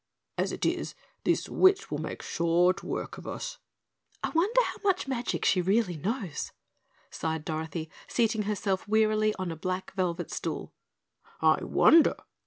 As it is, this witch will make short work of us." "I wonder how much magic she really knows," sighed Dorothy, seating herself wearily on a black velvet stool. "I wonder!"